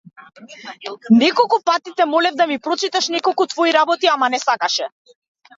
Неколку пати те молев да ми прочиташ неколку твои работи, ама не сакаше.